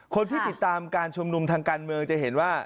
คนที่ติดตามการชุมนุมทางการเมืองจะเห็นว่า